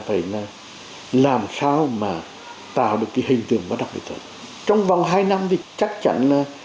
phải là làm sao mà tạo được cái hình tượng văn học nghệ thuật trong vòng hai năm thì chắc chắn là